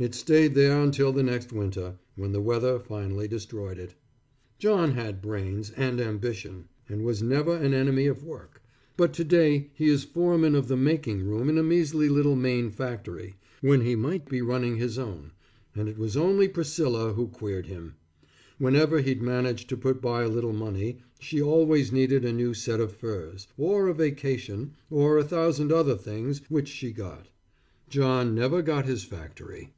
It stayed there until the next winter, when the weather finally destroyed it. John had brains, and ambition, and was never an enemy of work, but to day he is foreman of the making room in a measely little Maine factory, when he might be running his own, and it was only Priscilla who queered him. Whenever he'd manage to put by a little money, she always needed a new set of furs, or a vacation, or a thousand other things which she got. John never got his factory.